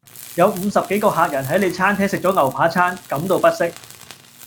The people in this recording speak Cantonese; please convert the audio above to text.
有五十幾個客人喺你餐廳食咗牛扒餐，感到不適